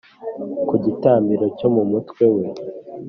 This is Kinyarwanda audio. Ku gitambaro cyo mu mutwe we,